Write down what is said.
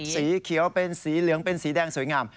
สีเขียวเป็นสีเหลืองเป็นสีแดงสวยงาม